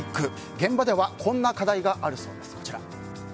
現場ではこんな課題があるそうです。